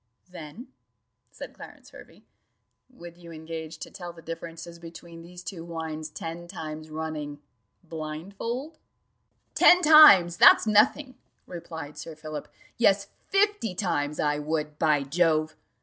"Then," said Clarence Hervey, "would you engage to tell the differences between these two wines ten times running, blind fold?" "Ten times! that's nothing," replied Sir Philip: "yes, fifty times, I would, by Jove!"